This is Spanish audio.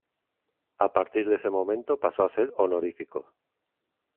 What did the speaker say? A partir de ese momento pasó a ser honorífico.